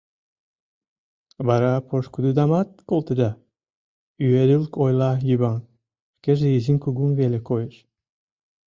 Вара пошкудыдамат колтеда, — ӱедыл ойла Йыван, шкеже изин-кугун веле коеш.